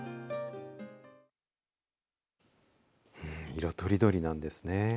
色とりどりなんですね。